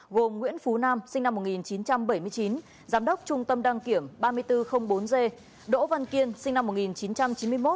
gồm nguyễn phú nam sinh năm một nghìn chín trăm bảy mươi chín giám đốc trung tâm đăng kiểm ba nghìn bốn trăm linh bốn g đỗ văn kiên sinh năm một nghìn chín trăm chín mươi một